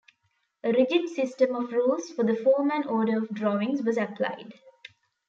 A rigid system of rules for the form and order of drawings was applied.